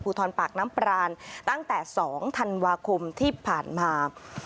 ทรปากน้ำปรานตั้งแต่๒ธันวาคมที่ผ่านมา